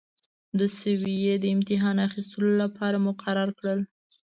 د سویې د امتحان اخیستلو لپاره مقرر کړل.